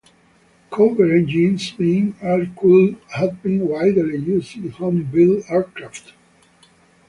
Corvair engines, being air-cooled, have been widely used in homebuilt aircraft.